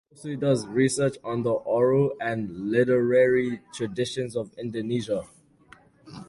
He also does research on the oral and literary traditions of Indonesia.